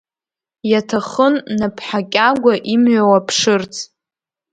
Иаҭахын Наԥҳа Кьагәа имҩа уаԥшырц.